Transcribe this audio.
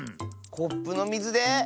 コップのみずで？